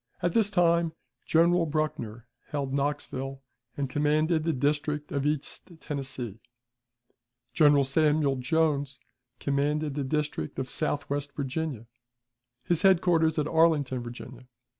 At this time General Buckner held Knoxville and commanded the district of East Tennessee; General Samuel Jones commanded the district of southwest Virginia, his headquarters at Arlington, Virginia.